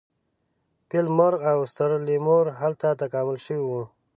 فیل مرغ او ستر لیمور هلته تکامل شوي وو.